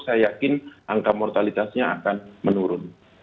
saya yakin angka mortalitasnya akan menurun